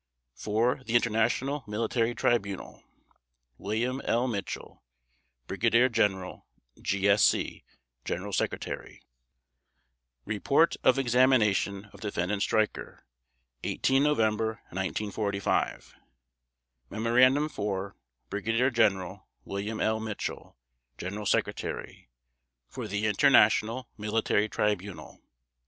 FOR THE INTERNATIONAL MILITARY TRIBUNAL: /s/ WILLIAM L. MITCHELL Brig. General, GSC General Secretary REPORT OF EXAMINATION OF DEFENDANT STREICHER 18 November 1945 MEMORANDUM FOR: Brig. Gen. William L. Mitchell, General Secretary. FOR THE INTERNATIONAL MILITARY TRIBUNAL.